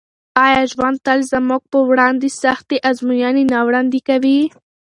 آیا ژوند تل زموږ پر وړاندې سختې ازموینې نه وړاندې کوي؟